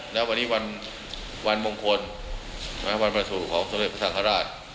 แล้ววันนี้วันวงศพวันประสุทธิ์ของสำเร็จพระธาราช